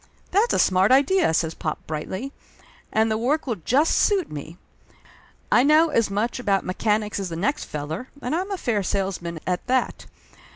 "That's a smart idea!" says pop brightly. "And the work will just suit me. I know as much about mechanics as the next feller, and I'm a fair salesman, at that